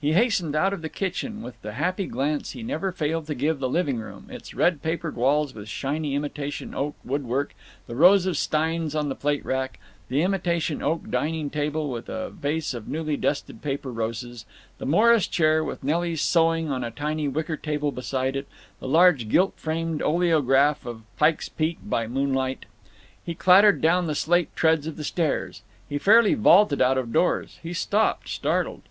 He hastened out of the kitchen, with the happy glance he never failed to give the living room—its red papered walls with shiny imitation oak woodwork; the rows of steins on the plate rack; the imitation oak dining table, with a vase of newly dusted paper roses; the Morris chair, with Nelly's sewing on a tiny wicker table beside it; the large gilt framed oleograph of "Pike's Peak by Moonlight." He clattered down the slate treads of the stairs. He fairly vaulted out of doors. He stopped, startled.